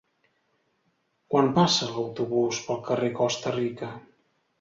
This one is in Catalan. Quan passa l'autobús pel carrer Costa Rica?